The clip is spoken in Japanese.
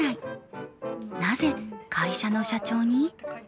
なぜ会社の社長に？